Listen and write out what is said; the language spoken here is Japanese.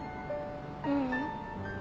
ううん。